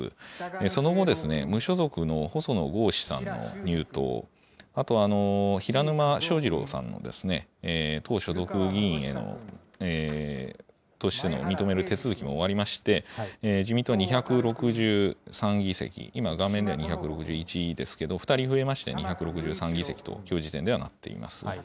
その後、無所属の細野豪志さんの入党、あと平沼正二郎さんの党所属議員としての認める手続きも終わりまして、自民党２６３議席、今、画面では２６１ですけれども、２人増えまして、２６３議席と、きょう時点ではなっております。